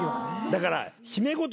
だから。